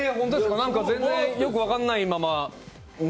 全然よく分かんないまま。